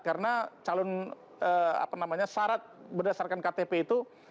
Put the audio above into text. karena calon apa namanya syarat berdasarkan ktp itu